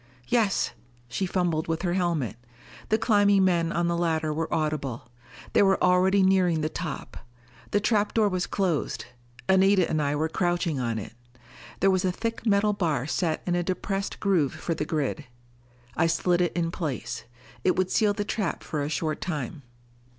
"Yes." She fumbled with her helmet. The climbing men on the ladder were audible. They were already nearing the top. The trap door was closed; Anita and I were crouching on it. There was a thick metal bar set in a depressed groove for the grid. I slid it in place; it would seal the trap for a short time.